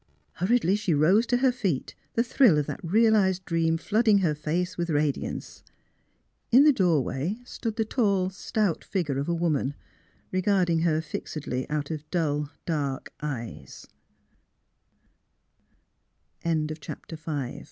Hurriedly she rose to her feet, the thrill of that realised dream flooding her face with radiance. In the doorway stood the tall, stout figure of a woman, regarding her fixedly out of dark